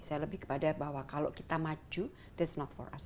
saya lebih kepada bahwa kalau kita maju that's not for us